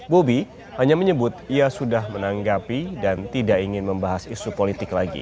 bobi hanya menyebut ia sudah menanggapi dan tidak ingin membahas isu politik lagi